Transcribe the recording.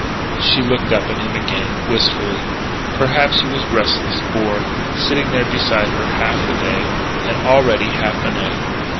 She looked up at him again, wistfully. Perhaps he was restless, bored, sitting there beside her half the day, and, already, half the night.